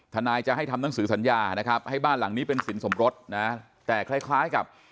นายจะให้ทำหนังสือสัญญานะครับให้บ้านหลังนี้เป็นสินสมรสนะแต่คล้ายคล้ายกับ